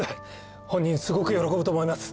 本人すごく喜ぶと思います！